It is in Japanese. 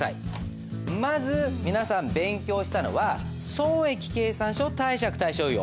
まず皆さん勉強したのは損益計算書貸借対照表。